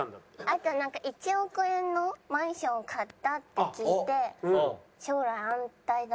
あとなんか１億円のマンションを買ったって聞いて将来安泰だなって。